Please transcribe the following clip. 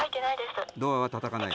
ドアはたたかない。